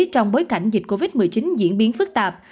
trong bối cảnh dịch covid một mươi chín diễn biến phức tạp